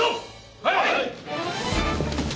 はい！